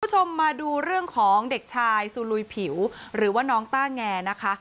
คุณผู้ชมมาดูเรื่องของเด็กชายซูลุยผิวหรือว่าน้องต้าแงนะคะ